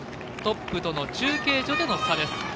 トップとの中継所での差です。